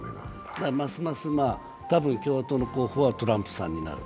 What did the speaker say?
ますます、多分、共和党の候補はトランプさんになる。